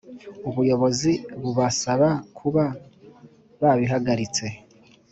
ubuyobozi bubasaba kuba babihagaritse